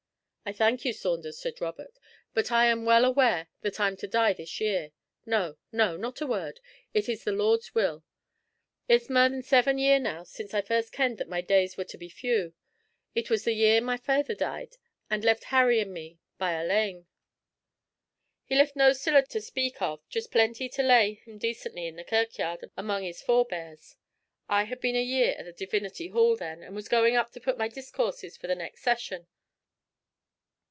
'I thank you, Saunders,' said Robert, 'but I am well aware that I'm to die this year. No, no, not a word. It is the Lord's will! It's mair than seven year now since I first kenned that my days were to be few. It was the year my faither died, and left Harry and me by our lane. 'He left no siller to speak of, just plenty to lay him decently in the kirkyard among his forebears. I had been a year at the Divinity Hall then, and was going up to put in my discourses for the next session.